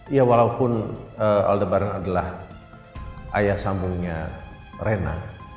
ya walaupun aldebaran adalah ayah sambungnya rena